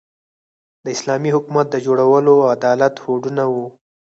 د اسلامي حکومت د جوړولو او عدالت هوډونه وو.